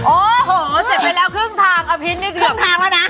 โอ้โหเสร็จไปแล้วคึ่งทางอะพีชนี่เกือบคึ่งทางแล้วน่ะ